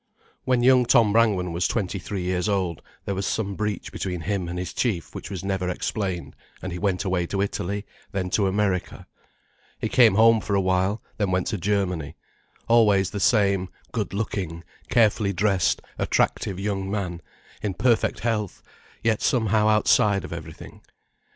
When young Tom Brangwen was twenty three years old there was some breach between him and his chief which was never explained, and he went away to Italy, then to America. He came home for a while, then went to Germany; always the same good looking, carefully dressed, attractive young man, in perfect health, yet somehow outside of everything.